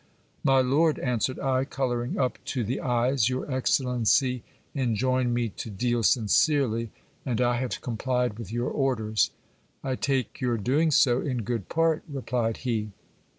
My lord, answered I, colour ing up to the eyes, your excellency enjoined me to deal sincerely ; and I have complied with your orders. I take your doing so in good part, replied he.